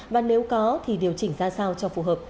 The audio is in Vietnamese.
và nếu có thì điều chỉnh ra sao cho phù hợp